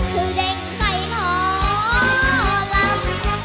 คือเด็กใจหอลับ